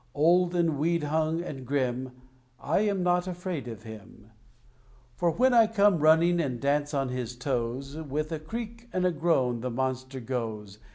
Old, and weed hung, and grim, I am not afraid of him; For when I come running and dance on his toes, With a creak and a groan the monster goes.